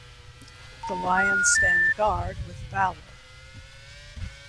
The lions stand guard with valor!